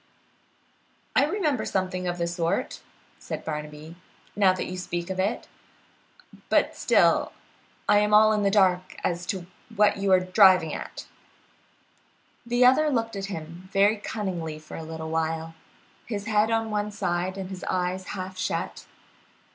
"I remember something of the sort," said Barnaby, "now that you speak of it, but still I am all in the dark as to what you are driving at." The other looked at him very cunningly for a little while, his head on one side, and his eyes half shut.